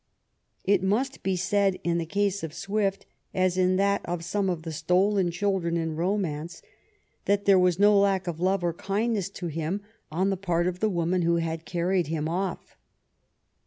It must be said in the case of Swift, as in that of some of the stolen children in romance, that there was no lack of love or kindness to him on the part of the woman who had carried him off.